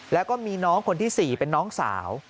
แล้วก็มีน้องคนที่๔เป็นน้องสาว